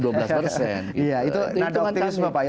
iya itu nadauk tersimapak